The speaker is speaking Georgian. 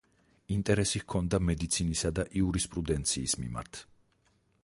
ინტერესი ჰქონდა მედიცინისა და იურისპრუდენციის მიმართ.